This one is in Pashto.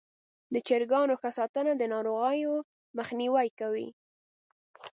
د چرګانو ښه ساتنه د ناروغیو مخنیوی کوي.